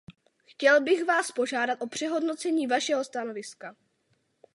Chtěl bych Vás požádat o přehodnocení Vašeho stanoviska.